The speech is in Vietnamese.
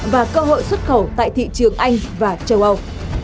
và cơ hội xuất khẩu tại thị trường anh và châu âu